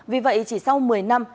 vì vậy chỉ sau một mươi năm